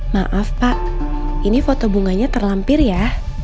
maaf pak ini foto bunganya terlampir ya